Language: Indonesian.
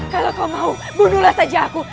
kalau kau mau bunuhlah saja aku